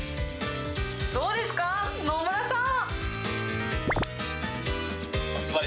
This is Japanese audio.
どうですか、野村さん。